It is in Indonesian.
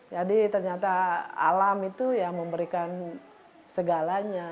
jadi ternyata alam itu yang memberikan segalanya